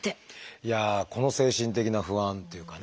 いやあこの精神的な不安っていうかね。